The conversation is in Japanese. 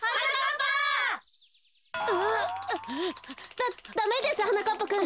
ダダメですはなかっぱくん。